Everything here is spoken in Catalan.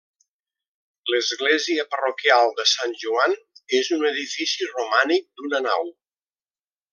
L’església parroquial de Sant Joan és un edifici romànic d’una nau.